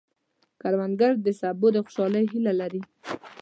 کروندګر د سبو د خوشحالۍ هیله لري